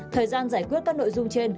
thời gian giải quyết các nội dung trên